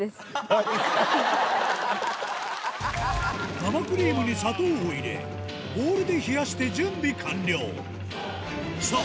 生クリームに砂糖を入れボウルで冷やして準備完了さぁ